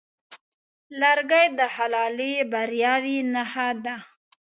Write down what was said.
لرګی د حلالې بریاوې نښه ده.